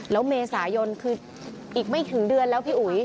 แล้วเมษายนคืออีกไม่ถึงเดือนแล้วพี่อุ๋ย